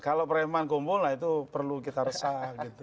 kalau preman kumpul lah itu perlu kita resah gitu